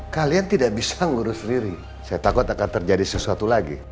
kalian tidak bisa ngurus diri saya takut akan terjadi sesuatu lagi